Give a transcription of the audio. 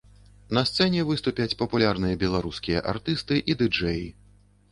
На сцэне выступяць папулярныя беларускія артысты і ды-джэі.